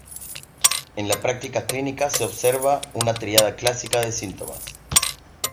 En la práctica clínica se observa una tríada clásica de síntomas.